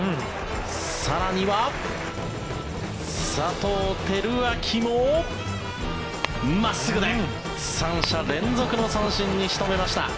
更には佐藤輝明も真っすぐで３者連続の三振に仕留めました。